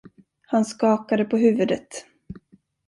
Han skakade på huvudet.